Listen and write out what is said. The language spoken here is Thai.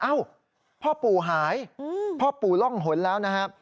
พ่อปู่หายพ่อปู่ร่องหนแล้วนะครับ